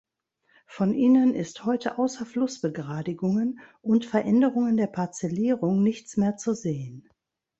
Von ihnen ist heute außer Flussbegradigungen und Veränderungen der Parzellierung nichts mehr zu sehen.